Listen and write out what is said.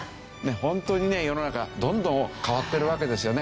本当にね世の中どんどん変わってるわけですよね。